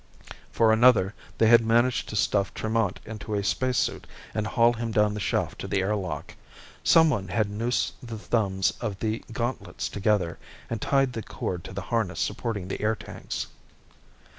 For another, they had managed to stuff Tremont into a spacesuit and haul him down the shaft to the air lock. Someone had noosed the thumbs of the gauntlets together and tied the cord to the harness supporting the air tanks.